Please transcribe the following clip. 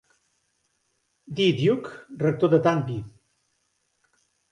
D. Duck, rector de Danby.